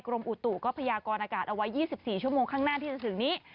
อุตุก็พยากรอากาศเอาไว้๒๔ชั่วโมงข้างหน้าที่จะถึงนี้